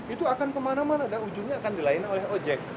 itu akan kemana mana dan ujungnya akan dilayani oleh ojek